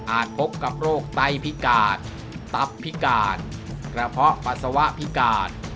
พบกับโรคไต้พิการตับพิการกระเพาะปัสสาวะพิการ